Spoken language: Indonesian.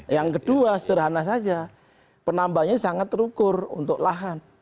yang kedua sederhana saja penambahnya sangat terukur untuk lahan